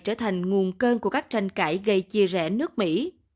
trở thành nguồn cơn của các tranh cãi gây chia rẽ nước mỹ